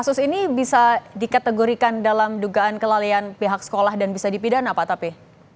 kasus ini bisa dikategorikan dalam dugaan kelalaian pihak sekolah dan bisa dipidana pak tapi